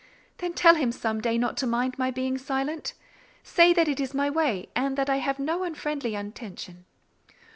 "Then tell him some day not to mind my being silent. Say that it is my way, and that I have no unfriendly intention."